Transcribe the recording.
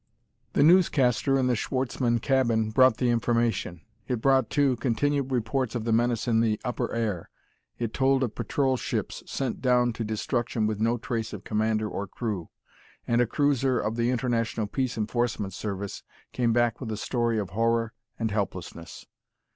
The newscaster in the Schwartzmann cabin brought the information. It brought, too, continued reports of the menace in the upper air. It told of patrol ships sent down to destruction with no trace of commander or crew; and a cruiser of the International Peace Enforcement Service came back with a story of horror and helplessness.